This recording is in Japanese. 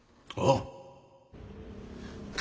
ああ。